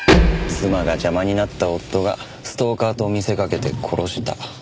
妻が邪魔になった夫がストーカーと見せかけて殺した。